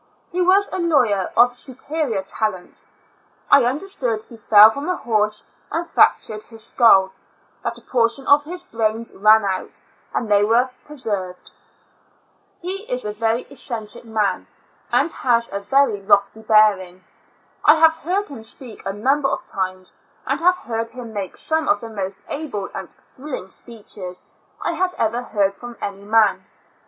He was a law^^er of superior talents. I understood he fell from a horse and fractured his skull, that a portion of his brains ran out, and they were preserved. He is a very eccentric man, and has a very lofty bearing. I have heard him speak a number of times, and have heard him make some of the most able and thrilling speeches I have ever heard from any man.